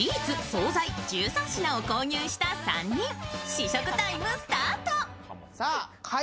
試食タイムスタート。